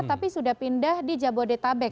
tapi sudah pindah di jabodetabek